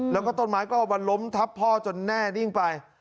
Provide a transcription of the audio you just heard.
แล้วก็ต้นไม้ก็เอามาล้มทับพ่อจนแน่นิ่งไป